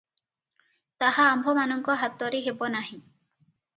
ତାହା ଆମ୍ଭମାନଙ୍କ ହାତରେ ହେବ ନାହିଁ ।